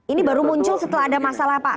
ini baru muncul setelah ada masalah pak